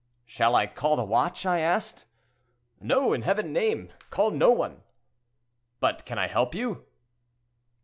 'Shall I call the watch?' I asked. 'No! in Heaven's name, call no one!' 'But can I help you?'